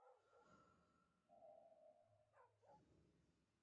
مچمچۍ د هر کندو ځانګړېندنه لري